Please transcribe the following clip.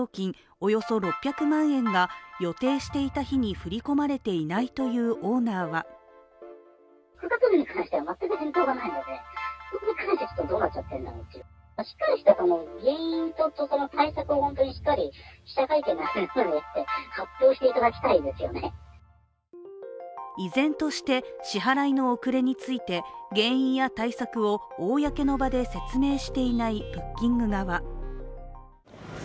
およそ６００万円が予定していた日に振り込まれていないというオーナーは依然として支払いの遅れについて原因や対策を公の場で説明していないブッキング側。